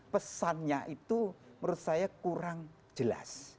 pesannya itu menurut saya kurang jelas